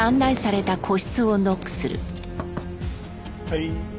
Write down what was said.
はい。